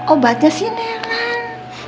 obatnya si nelan